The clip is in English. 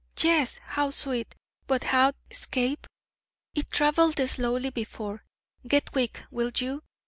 'Yes! how sweet! But how escape?' 'It travelled slowly before. Get quick will you?